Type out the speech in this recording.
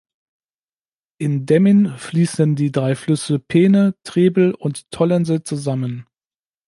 In Demmin fließen die drei Flüsse Peene, Trebel und Tollense zusammen.